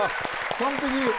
完璧！